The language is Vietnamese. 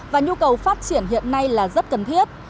và nhu cầu phát triển hiện nay là rất cần thiết